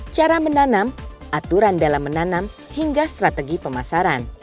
cara menanam aturan dalam menanam hingga strategi pemasaran